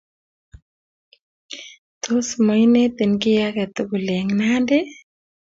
Tos mainetin kiy ake tukul eng' Nandi?